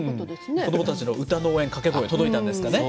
子どもたちの歌の応援、掛け声、届いたんですかね。